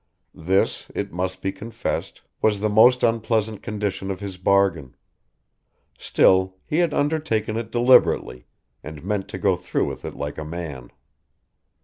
This, it must be confessed, was the most unpleasant condition of his bargain. Still, he had undertaken it deliberately, and meant to go through with it like a man.